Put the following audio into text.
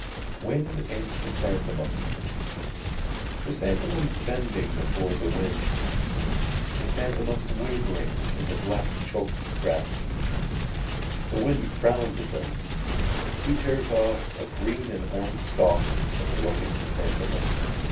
Wind and Chrysanthemum Chrysanthemums bending Before the wind. Chrysanthemums wavering In the black choked grasses. The wind frowns at them, He tears off a green and orange stalk of broken chrysanthemum.